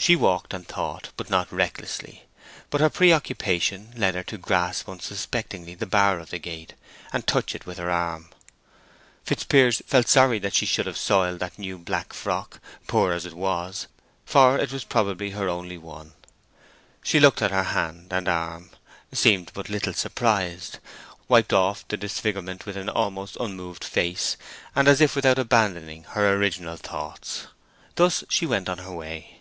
She walked and thought, and not recklessly; but her preoccupation led her to grasp unsuspectingly the bar of the gate, and touch it with her arm. Fitzpiers felt sorry that she should have soiled that new black frock, poor as it was, for it was probably her only one. She looked at her hand and arm, seemed but little surprised, wiped off the disfigurement with an almost unmoved face, and as if without abandoning her original thoughts. Thus she went on her way.